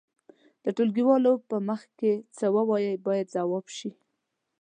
د ټولګيوالو په مخ کې څه ووایئ باید ځواب شي.